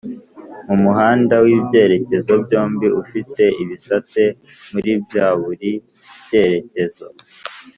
mumuhanda w' ibyerekezo byombi ufite ibisate muri byaburi cyerekezo